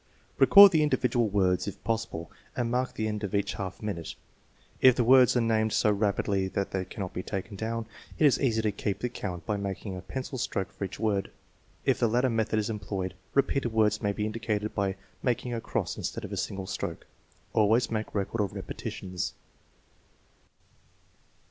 Record the individual words if possible, and mark the end of each half minute. If the words are named so rapidly that they cannot be taken down, it is easy to keep the count by making a pencil stroke for each word. If the latter method is employed, repeated words may be indicated by making a cross instead of a single stroke. Always make record of repetitions.